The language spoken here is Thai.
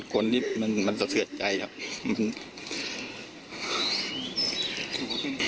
คนที่มันมันสะเซือดใจครับมัน